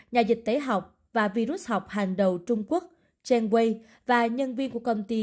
nhà dịch tế học và virus học hàng đầu trung quốc chen wei và nhân viên của công ty